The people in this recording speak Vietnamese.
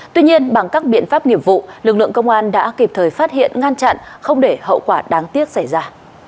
tuy nhiên bằng các biện pháp nghiệp vụ lực lượng công an đã kịp thời phát hiện ngăn chặn không để hậu quả đáng tiếc xảy ra